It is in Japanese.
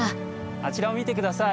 あちらを見て下さい。